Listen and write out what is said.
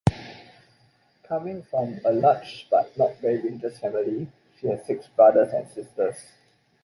Coming from a large but not very religious family, she has six brothers and sisters.